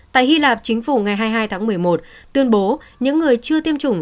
tại hy lạp chính phủ ngày hai mươi hai tháng một mươi một tuyên bố những người chưa tiêm chủng